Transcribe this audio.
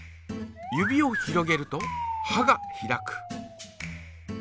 指を広げるとはが開く。